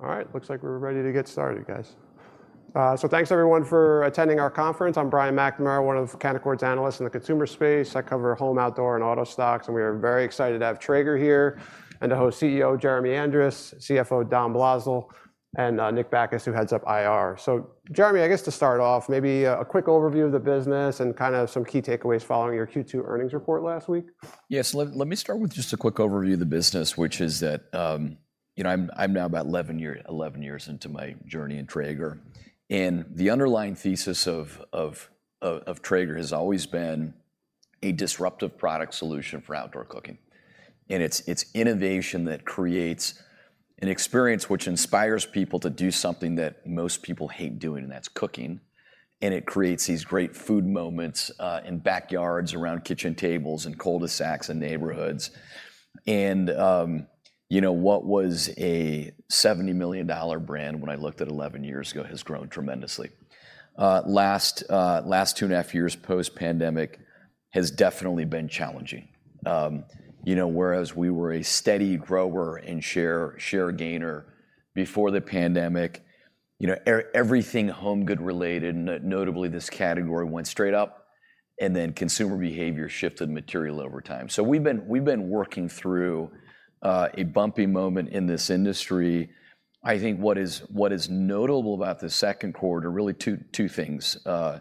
All right, looks like we're ready to get started, guys. So thanks everyone for attending our conference. I'm Brian McNamara, one of Canaccord's analysts in the consumer space. I cover home, outdoor, and auto stocks, and we are very excited to have Traeger here, and to host CEO Jeremy Andrus, CFO Dom Blosil, and Nick Bakes, who heads up IR. So Jeremy, I guess to start off, maybe a quick overview of the business and kind of some key takeaways following your Q2 earnings report last week? Yes, let me start with just a quick overview of the business, which is that, you know, I'm now about 11 years into my journey in Traeger. And the underlying thesis of Traeger has always been a disruptive product solution for outdoor cooking, and it's innovation that creates an experience which inspires people to do something that most people hate doing, and that's cooking. And it creates these great food moments in backyards, around kitchen tables, in cul-de-sacs, and neighborhoods. And, you know, what was a $70 million brand when I looked at it 11 years ago, has grown tremendously. Last 2.5 years post-pandemic has definitely been challenging. You know, whereas we were a steady grower and share, share gainer before the pandemic, you know, everything home good related, notably this category, went straight up, and then consumer behavior shifted material over time. So we've been, we've been working through a bumpy moment in this industry. I think what is, what is notable about the second quarter, really two, two things that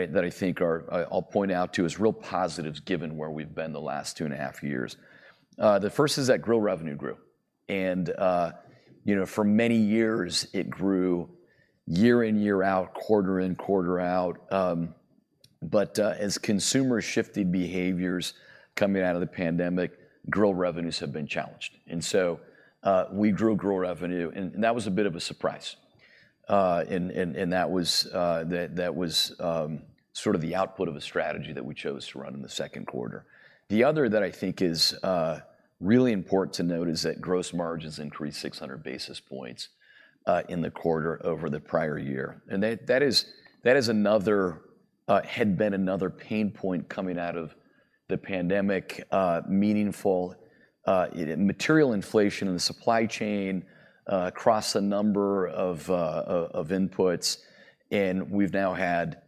I, that I think are... I'll point out to, as real positives, given where we've been the last two and a half years. The first is that grill revenue grew, and, you know, for many years, it grew year in, year out, quarter in, quarter out. But as consumers shifted behaviors coming out of the pandemic, grill revenues have been challenged, and so, we grew grill revenue, and that was a bit of a surprise. And that was sort of the output of a strategy that we chose to run in the second quarter. The other thing that I think is really important to note is that gross margins increased 600 basis points in the quarter over the prior year, and that is, that had been another pain point coming out of the pandemic: meaningful material inflation in the supply chain across a number of inputs, and we've now had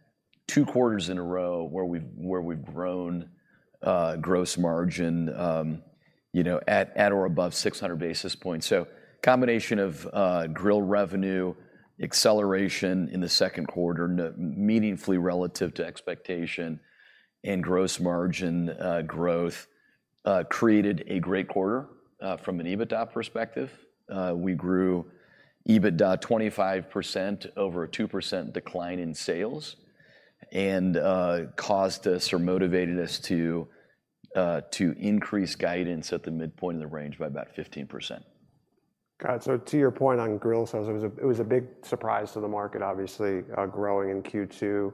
two quarters in a row where we've grown gross margin, you know, at or above 600 basis points. So combination of grill revenue acceleration in the second quarter, meaningfully relative to expectation, and gross margin growth created a great quarter from an EBITDA perspective. We grew EBITDA 25% over a 2% decline in sales, and caused us or motivated us to increase guidance at the midpoint of the range by about 15%. Got it. So to your point on grill sales, it was a big surprise to the market, obviously, growing in Q2.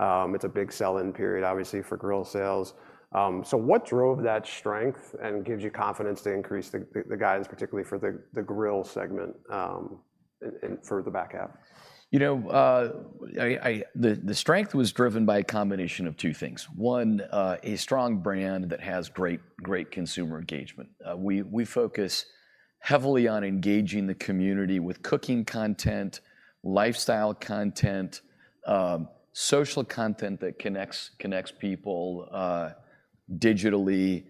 It's a big sell-in period, obviously, for grill sales. So what drove that strength and gives you confidence to increase the guidance, particularly for the grill segment, and for the back half? You know, the strength was driven by a combination of two things. One, a strong brand that has great, great consumer engagement. We focus heavily on engaging the community with cooking content, lifestyle content, social content that connects people digitally,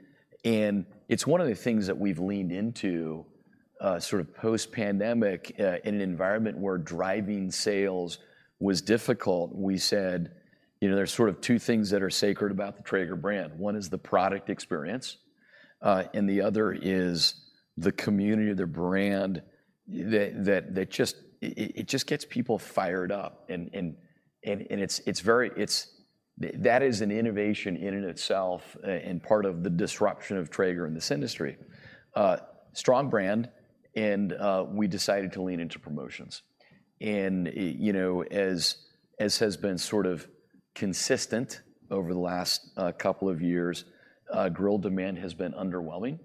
and it's one of the things that we've leaned into, sort of post-pandemic. In an environment where driving sales was difficult, we said, you know, there's sort of two things that are sacred about the Traeger brand. One is the product experience, and the other is the community, the brand that it just gets people fired up. And that is an innovation in and itself, and part of the disruption of Traeger in this industry. Strong brand, and we decided to lean into promotions. You know, as has been sort of consistent over the last couple of years, grill demand has been underwhelming.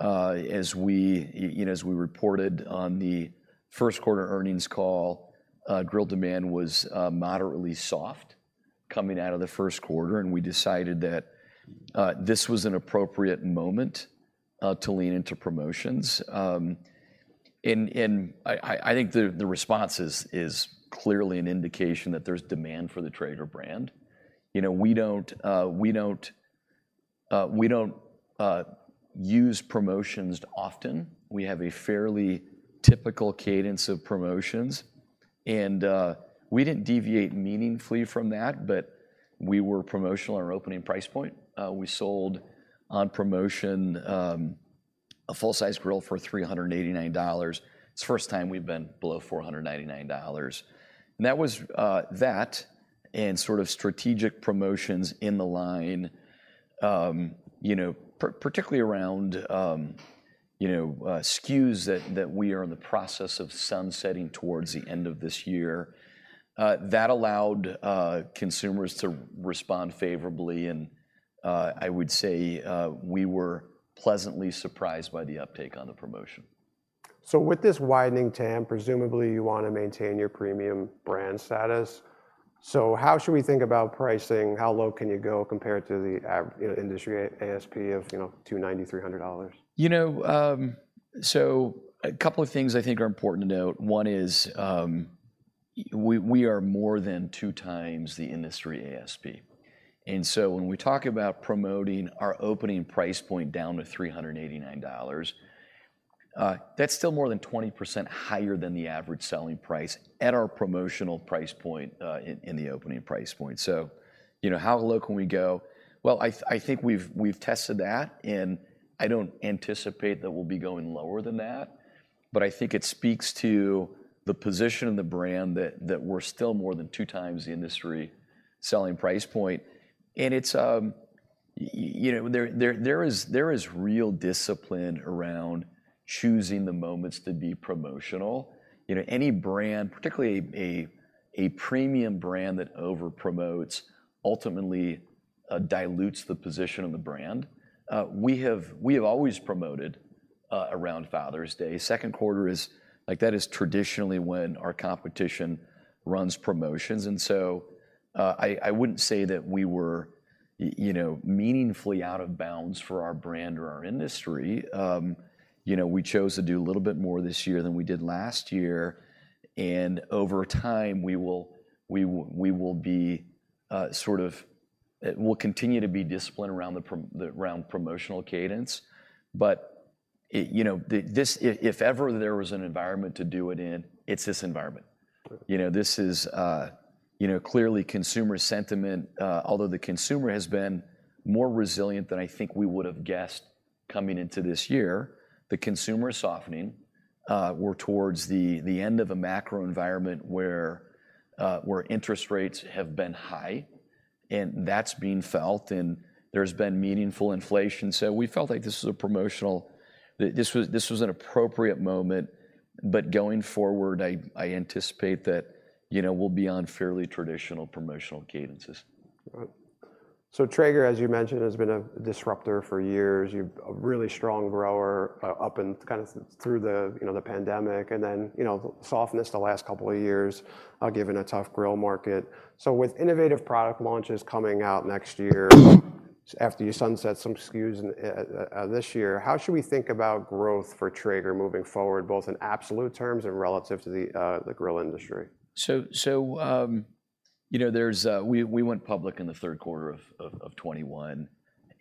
As we, you know, as we reported on the first quarter earnings call, grill demand was moderately soft coming out of the first quarter, and we decided that this was an appropriate moment to lean into promotions. And I think the response is clearly an indication that there's demand for the Traeger brand. You know, we don't use promotions often. We have a fairly typical cadence of promotions, and we didn't deviate meaningfully from that, but we were promotional on our opening price point. We sold on promotion a full-size grill for $389. It's the first time we've been below $499. And that was that and sort of strategic promotions in the line, you know, particularly around, you know, SKUs that we are in the process of sunsetting towards the end of this year. That allowed consumers to respond favorably, and I would say we were pleasantly surprised by the uptake on the promotion. So with this widening TAM, presumably you want to maintain your premium brand status? So how should we think about pricing? How low can you go compared to the, you know, industry ASP of, you know, $290-$300? You know, so a couple of things I think are important to note. One is, we are more than two times the industry ASP. And so when we talk about promoting our opening price point down to $389, that's still more than 20% higher than the average selling price at our promotional price point, in the opening price point. So, you know, how low can we go? Well, I think we've tested that, and I don't anticipate that we'll be going lower than that. But I think it speaks to the position of the brand that we're still more than two times the industry selling price point. And it's, you know, there is real discipline around choosing the moments to be promotional. You know, any brand, particularly a premium brand that over-promotes, ultimately dilutes the position of the brand. We have always promoted around Father's Day. Second quarter is—like, that is traditionally when our competition runs promotions, and so I wouldn't say that we were you know, meaningfully out of bounds for our brand or our industry. You know, we chose to do a little bit more this year than we did last year, and over time, we will be sort of... We'll continue to be disciplined around the promotional cadence. But it, you know, this—if ever there was an environment to do it in, it's this environment. Right. You know, this is, you know, clearly consumer sentiment, although the consumer has been more resilient than I think we would've guessed coming into this year, the consumer is softening, we're towards the, the end of a macro environment where, where interest rates have been high, and that's being felt, and there's been meaningful inflation. So we felt like this was a promotional... that this was, this was an appropriate moment, but going forward, I, I anticipate that, you know, we'll be on fairly traditional promotional cadences. Right. So Traeger, as you mentioned, has been a disruptor for years. You've been a really strong grower up and kind of through the, you know, the pandemic and then, you know, softness the last couple of years, given a tough grill market. So with innovative product launches coming out next year, after you sunset some SKUs this year, how should we think about growth for Traeger moving forward, both in absolute terms and relative to the grill industry? So, you know, there's... We went public in the third quarter of 2021,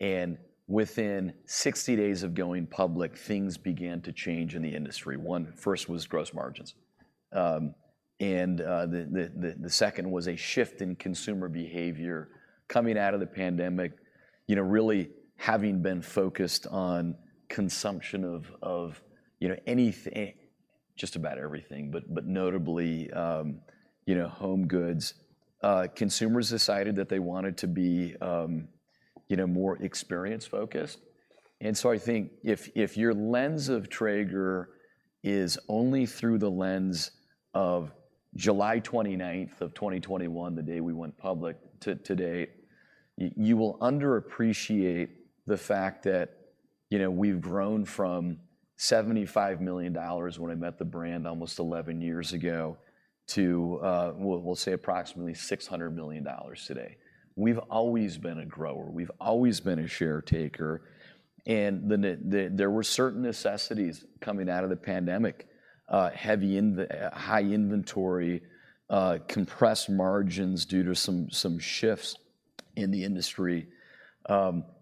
and within 60 days of going public, things began to change in the industry. One, first was gross margins, and the second was a shift in consumer behavior coming out of the pandemic. You know, really having been focused on consumption of, you know, anything- just about everything, but notably, you know, home goods. Consumers decided that they wanted to be, you know, more experience-focused. I think if your lens of Traeger is only through the lens of July 29th, 2021, the day we went public to today, you will underappreciate the fact that, you know, we've grown from $75 million when I met the brand almost 11 years ago, to, we'll say approximately $600 million today. We've always been a grower. We've always been a share taker, and there were certain necessities coming out of the pandemic. High inventory, compressed margins due to some shifts in the industry,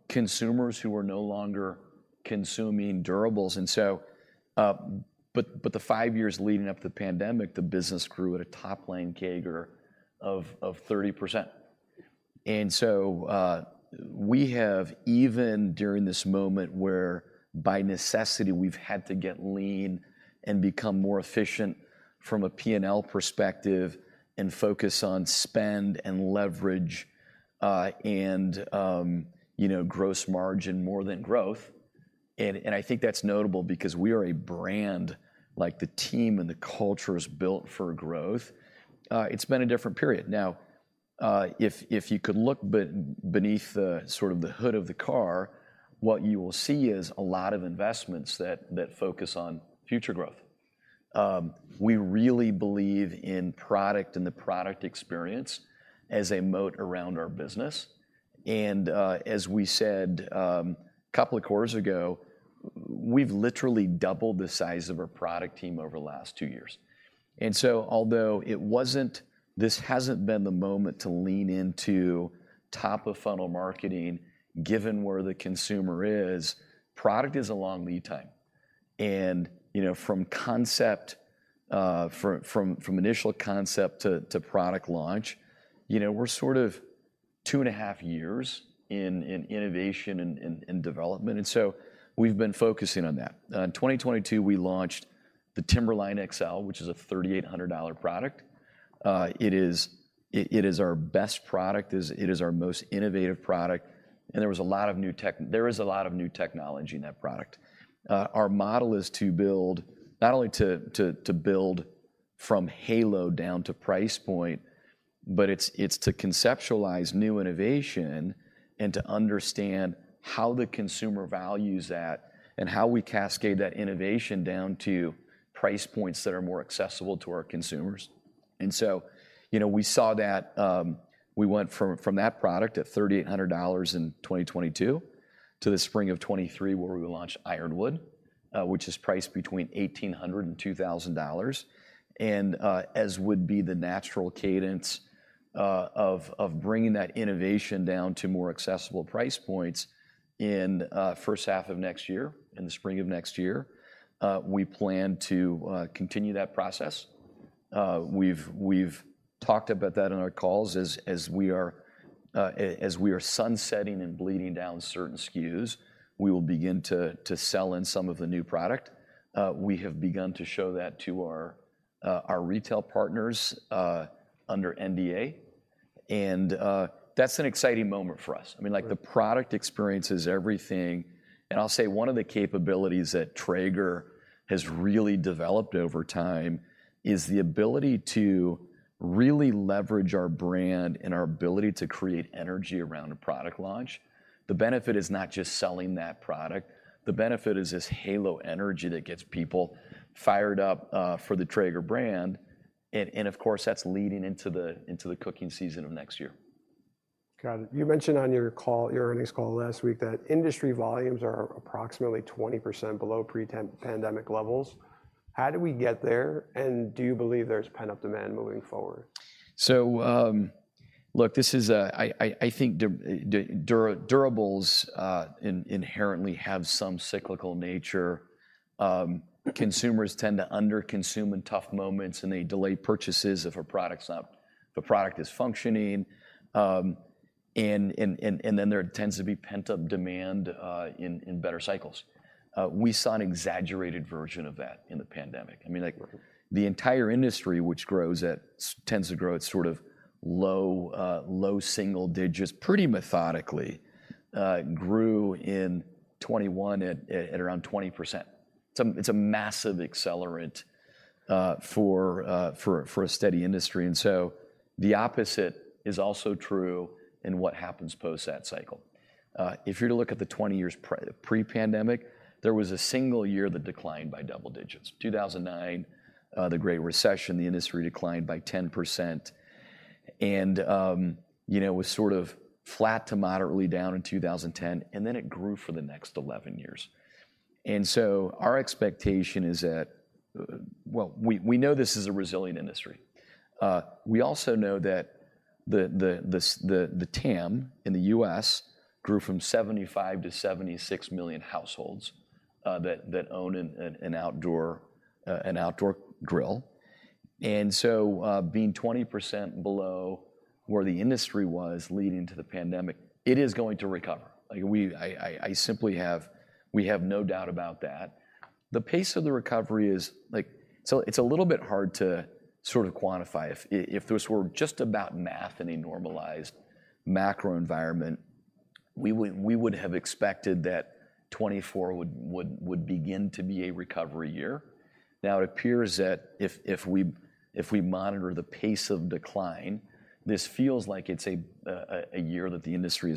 consumers who are no longer consuming durables. But the five years leading up to the pandemic, the business grew at a top-line CAGR of 30%. And so, we have, even during this moment, where by necessity, we've had to get lean and become more efficient from a P&L perspective and focus on spend and leverage, and you know, gross margin more than growth. And I think that's notable because we are a brand, like the team and the culture is built for growth. It's been a different period. Now, if you could look beneath the sort of the hood of the car, what you will see is a lot of investments that focus on future growth. We really believe in product and the product experience as a moat around our business, and as we said, couple of quarters ago, we've literally doubled the size of our product team over the last two years. And so although this hasn't been the moment to lean into top-of-funnel marketing, given where the consumer is, product is a long lead time. And, you know, from initial concept to product launch, you know, we're sort of two and a half years in innovation and development, and so we've been focusing on that. In 2022, we launched the Timberline XL, which is a $3,800 product. It is our best product, it is our most innovative product, and there is a lot of new technology in that product. Our model is to build, not only to build from halo down to price point, but it's to conceptualize new innovation and to understand how the consumer values that and how we cascade that innovation down to price points that are more accessible to our consumers. So, you know, we saw that, we went from that product at $3,800 in 2022 to the spring of 2023, where we launched Ironwood, which is priced between $1,800 and $2,000. As would be the natural cadence of bringing that innovation down to more accessible price points in first half of next year, in the spring of next year, we plan to continue that process. We've talked about that in our calls as we are sunsetting and bleeding down certain SKUs, we will begin to sell in some of the new product. We have begun to show that to our retail partners under NDA, and that's an exciting moment for us. Right. I mean, like the product experience is everything, and I'll say one of the capabilities that Traeger has really developed over time is the ability to really leverage our brand and our ability to create energy around a product launch. The benefit is not just selling that product, the benefit is this halo energy that gets people fired up for the Traeger brand, and, of course, that's leading into the cooking season of next year. Got it. You mentioned on your call, your earnings call last week, that industry volumes are approximately 20% below pre-pandemic levels. How did we get there, and do you believe there's pent-up demand moving forward? So, look, this is... I think durables inherently have some cyclical nature. Consumers tend to underconsume in tough moments, and they delay purchases if the product is functioning. And then there tends to be pent-up demand in better cycles. We saw an exaggerated version of that in the pandemic. I mean, like- Right... the entire industry, which tends to grow at sort of low, low single digits, pretty methodically, grew in 2021 at around 20%. It's a massive accelerant for a steady industry, and so the opposite is also true in what happens post that cycle. If you're to look at the 20 years pre-pandemic, there was a single year that declined by double digits. 2009, the Great Recession, the industry declined by 10%, and, you know, it was sort of flat to moderately down in 2010, and then it grew for the next 11 years. And so our expectation is that, well, we know this is a resilient industry. We also know that the TAM in the U.S. grew from 75-76 million households that own an outdoor grill. And so, being 20% below where the industry was leading to the pandemic, it is going to recover. Like we simply have we have no doubt about that. The pace of the recovery is, like... So it's a little bit hard to sort of quantify. If this were just about math in a normalized macro environment, we would have expected that 2024 would begin to be a recovery year. Now, it appears that if we monitor the pace of decline, this feels like it's a year that the industry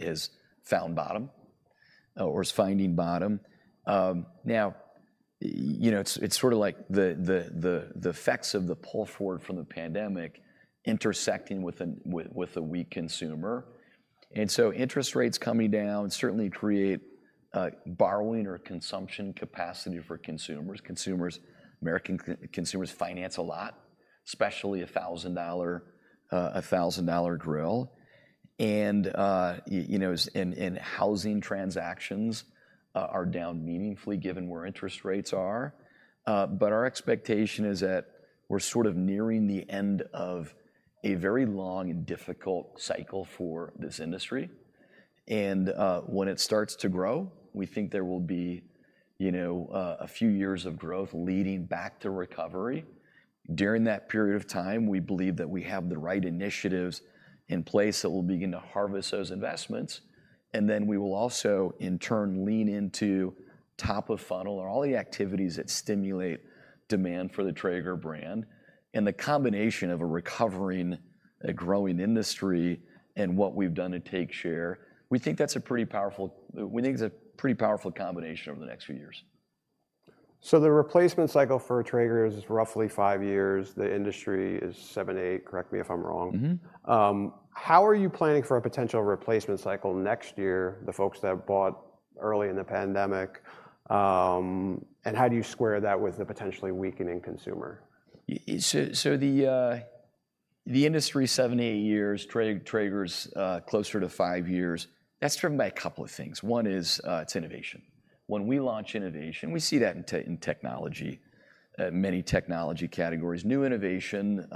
has found bottom or is finding bottom. You know, it's sort of like the effects of the pull forward from the pandemic intersecting with a weak consumer, and so interest rates coming down certainly create borrowing or consumption capacity for consumers. Consumers, American consumers finance a lot, especially $1,000 $1,000 grill. And you know, and housing transactions are down meaningfully given where interest rates are. But our expectation is that we're sort of nearing the end of a very long and difficult cycle for this industry, and when it starts to grow, we think there will be, you know, a few years of growth leading back to recovery. During that period of time, we believe that we have the right initiatives in place that will begin to harvest those investments, and then we will also, in turn, lean into top of funnel or all the activities that stimulate demand for the Traeger brand. The combination of a recovering, a growing industry and what we've done to take share, we think that's a pretty powerful, we think it's a pretty powerful combination over the next few years. The replacement cycle for Traeger is roughly 5 years. The industry is 7, 8. Correct me if I'm wrong. Mm-hmm. How are you planning for a potential replacement cycle next year, the folks that bought early in the pandemic, and how do you square that with the potentially weakening consumer? So the industry 7-8 years, Traeger's closer to 5 years, that's driven by a couple of things. One is it's innovation. When we launch innovation, we see that in technology, many technology categories. New innovation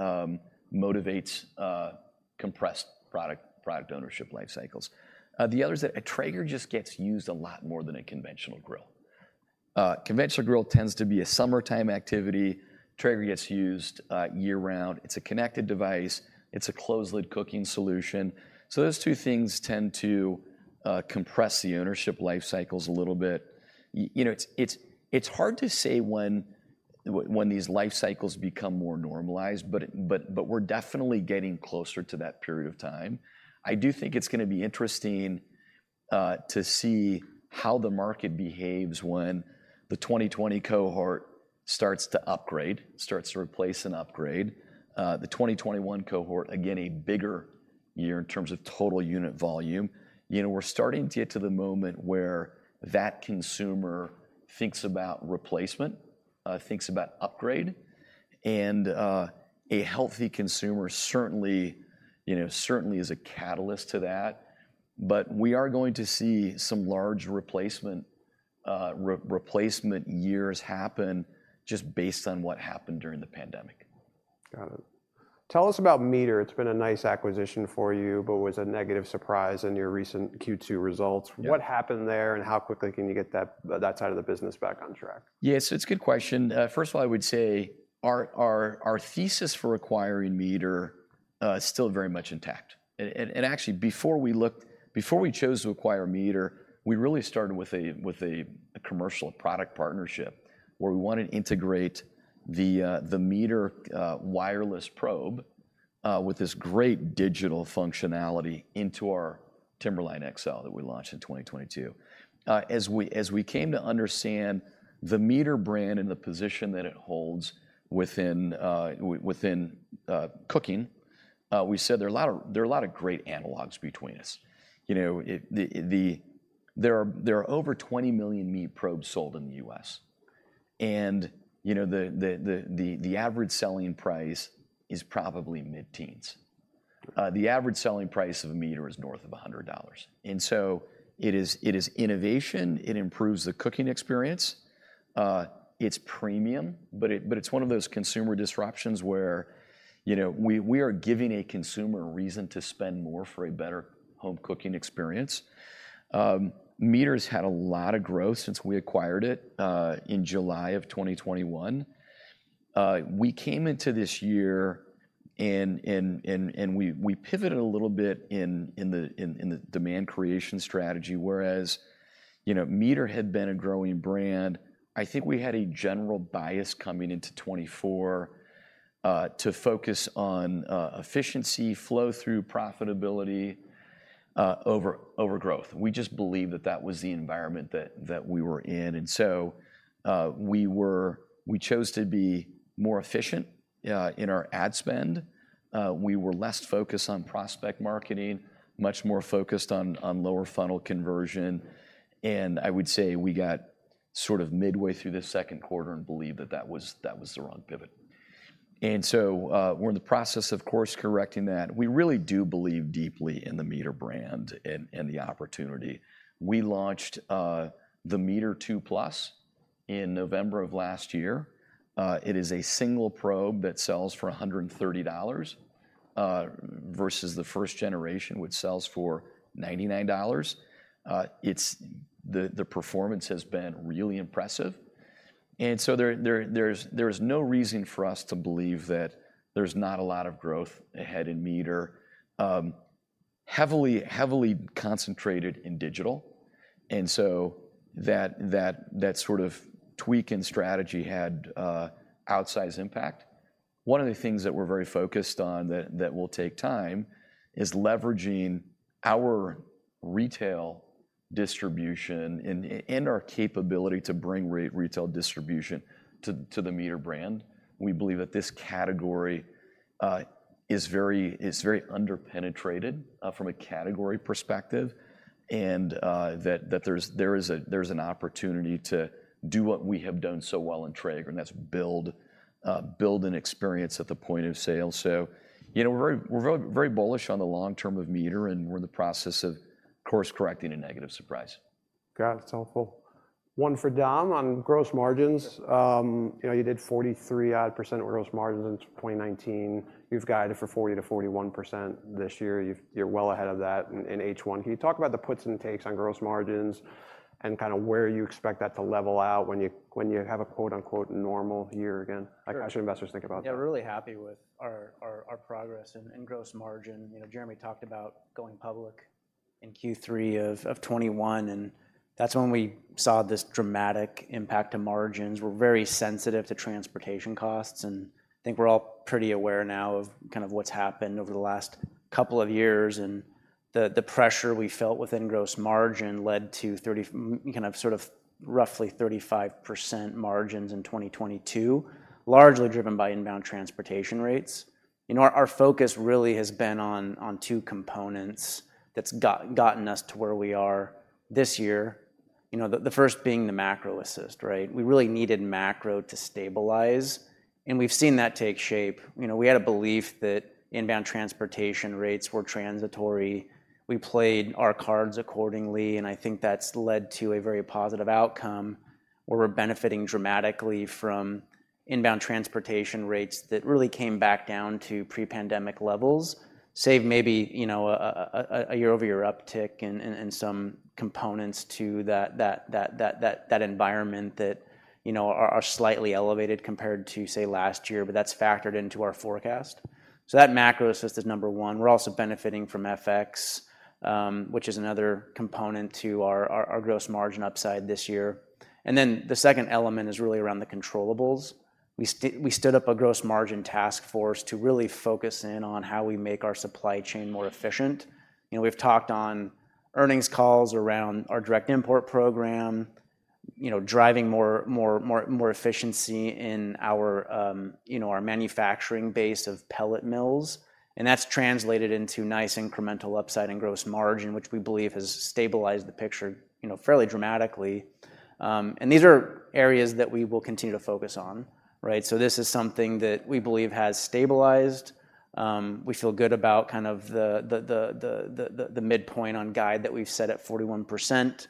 motivates compressed product ownership life cycles. The other is that a Traeger just gets used a lot more than a conventional grill. Conventional grill tends to be a summertime activity. Traeger gets used year-round. It's a connected device. It's a closed-lid cooking solution. So those two things tend to compress the ownership life cycles a little bit. You know, it's hard to say when these life cycles become more normalized, but we're definitely getting closer to that period of time. I do think it's gonna be interesting to see how the market behaves when the 2020 cohort starts to upgrade, starts to replace and upgrade. The 2021 cohort, again, a bigger year in terms of total unit volume. You know, we're starting to get to the moment where that consumer thinks about replacement, thinks about upgrade, and a healthy consumer certainly, you know, certainly is a catalyst to that. But we are going to see some large replacement years happen just based on what happened during the pandemic. Got it. Tell us about MEATER. It's been a nice acquisition for you, but was a negative surprise in your recent Q2 results. Yeah. What happened there, and how quickly can you get that, that side of the business back on track? Yes, it's a good question. First of all, I would say our thesis for acquiring MEATER is still very much intact. And actually, before we chose to acquire MEATER, we really started with a commercial product partnership, where we wanted to integrate the MEATER wireless probe with this great digital functionality into our Timberline XL that we launched in 2022. As we came to understand the MEATER brand and the position that it holds within cooking, we said there are a lot of great analogs between us. You know, it, the, the... There are over 20 million MEATER probes sold in the US, and, you know, the average selling price is probably mid-teens. The average selling price of a MEATER is north of $100, and so it is innovation. It improves the cooking experience. It's premium, but it's one of those consumer disruptions where, you know, we are giving a consumer a reason to spend more for a better home cooking experience. MEATER's had a lot of growth since we acquired it in July of 2021. We came into this year and we pivoted a little bit in the demand creation strategy, whereas, you know, MEATER had been a growing brand. I think we had a general bias coming into 2024 to focus on efficiency, flow through profitability over growth. We just believe that that was the environment that we were in, and so we chose to be more efficient in our ad spend. We were less focused on prospect marketing, much more focused on lower funnel conversion, and I would say we got sort of midway through the second quarter and believed that that was the wrong pivot. And so we're in the process, of course, correcting that. We really do believe deeply in the MEATER brand and the opportunity. We launched the MEATER 2 Plus in November of last year. It is a single probe that sells for $130 versus the first generation, which sells for $99. It's the performance has been really impressive, and so there's no reason for us to believe that there's not a lot of growth ahead in MEATER. Heavily concentrated in digital, and so that sort of tweak in strategy had outsized impact. One of the things that we're very focused on that will take time is leveraging our retail distribution and our capability to bring retail distribution to the MEATER brand. We believe that this category is very under-penetrated from a category perspective, and that there's an opportunity to do what we have done so well in Traeger, and that's build an experience at the point of sale. So, you know, we're very, we're very bullish on the long term of MEATER, and we're in the process of course-correcting a negative surprise. Got it. It's helpful. One for Dom on gross margins. You know, you did 43-odd% of gross margins in 2019. You've guided for 40%-41% this year. You're well ahead of that in H1. Can you talk about the puts and takes on gross margins and kinda where you expect that to level out when you have a quote-unquote "normal year" again? Sure. How should investors think about that? Yeah, we're really happy with our progress in gross margin. You know, Jeremy talked about going public in Q3 of 2021, and that's when we saw this dramatic impact to margins. We're very sensitive to transportation costs, and I think we're all pretty aware now of kind of what's happened over the last couple of years, and the pressure we felt within gross margin led to roughly 35% margins in 2022, largely driven by inbound transportation rates. You know, our focus really has been on two components that's gotten us to where we are this year, you know, the first being the macro assist, right? We really needed macro to stabilize, and we've seen that take shape. You know, we had a belief that inbound transportation rates were transitory. We played our cards accordingly, and I think that's led to a very positive outcome, where we're benefiting dramatically from inbound transportation rates that really came back down to pre-pandemic levels, save maybe, you know, a year-over-year uptick and some components to that environment that, you know, are slightly elevated compared to, say, last year, but that's factored into our forecast. So that macro assist is number one. We're also benefiting from FX, which is another component to our gross margin upside this year. And then the second element is really around the controllables. We stood up a gross margin task force to really focus in on how we make our supply chain more efficient. You know, we've talked on earnings calls around our direct import program, you know, driving more efficiency in our, you know, our manufacturing base of pellet mills, and that's translated into nice incremental upside and Gross Margin, which we believe has stabilized the picture, you know, fairly dramatically. And these are areas that we will continue to focus on, right? So this is something that we believe has stabilized. We feel good about kind of the midpoint on guide that we've set at 41%,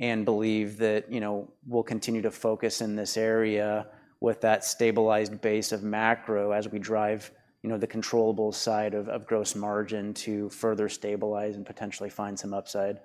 and believe that, you know, we'll continue to focus in this area with that stabilized base of macro as we drive, you know, the controllable side of Gross Margin to further stabilize and potentially find some upside.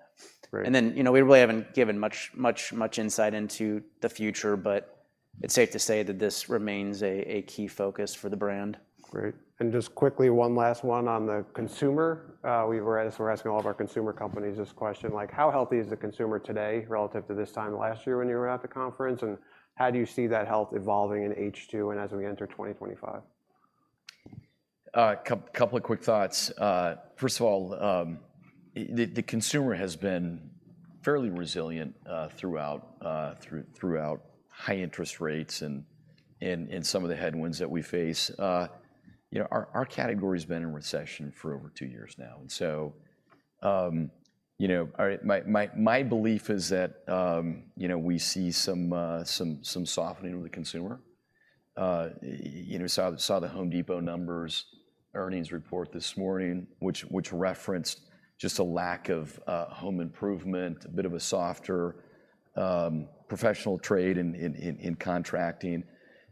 Great. And then, you know, we really haven't given much, much, much insight into the future, but it's safe to say that this remains a key focus for the brand. Great. Just quickly, one last one on the consumer. We're asking all of our consumer companies this question, like: How healthy is the consumer today relative to this time last year when you were at the conference? And how do you see that health evolving in H2 and as we enter 2025? Couple of quick thoughts. First of all, the consumer has been fairly resilient throughout high interest rates and some of the headwinds that we face. You know, our category's been in recession for over two years now, and so, you know, my belief is that, you know, we see some softening of the consumer. You know, saw the Home Depot numbers, earnings report this morning, which referenced just a lack of home improvement, a bit of a softer professional trade in contracting.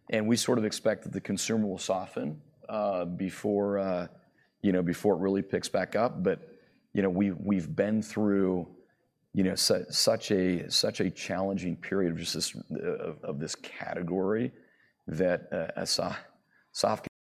And we sort of expect that the consumer will soften before, you know, before it really picks back up. But, you know, we've been through, you know, such a challenging period of just this, of this category that, as so soft-